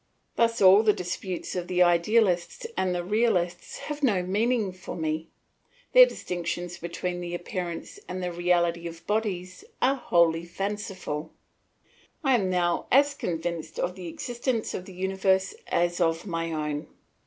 Thus all the disputes of the idealists and the realists have no meaning for me; their distinctions between the appearance and the reality of bodies are wholly fanciful. I am now as convinced of the existence of the universe as of my own.